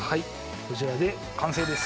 こちらで完成です！